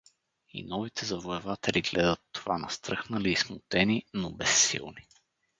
И новите завоеватели гледат това, настръхнали и смутени, но безсилни.